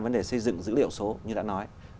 vấn đề xây dựng dữ liệu số như đã nói